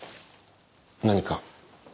何か？